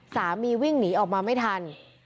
สามีวิ่งหนีออกมาไม่ทัน